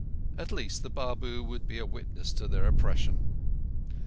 At least the Babu would be a witness to their oppression.